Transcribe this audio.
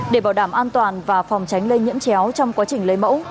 để bảo đảm an toàn và phòng tránh lây nhiễm chéo trong quá trình lấy mẫu